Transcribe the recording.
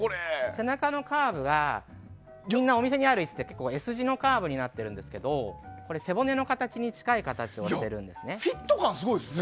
背中のカーブがみんなお店にある椅子って結構Ｓ字のカーブになってるんですけど背骨の形に近い形をしているんですね。